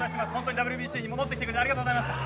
ＷＢＣに戻ってきてくれてありがとうございました。